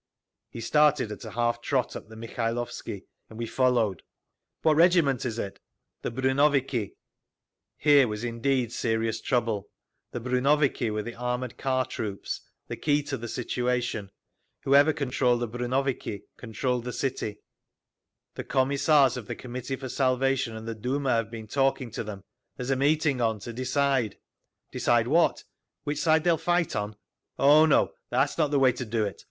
He started at a half trot up the Mikhailovsky, and we followed. "What regiment is it?" "The brunnoviki…." Here was indeed serious trouble. The brunnoviki were the Armoured Car troops, the key to the situation; whoever controlled the brunnoviki controlled the city. "The Commissars of the Committee for Salvation and the Duma have been talking to them. There's a meeting on to decide…. "Decide what? Which side they'll fight on?" "Oh, no. That's not the way to do it.